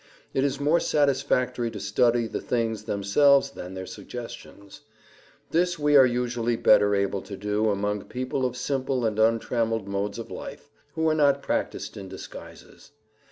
It is more satisfactory to study the things themselves than their suggestions; this we are usually better able to do among people of simple and untrammeled modes of life, who are not practiced in disguises.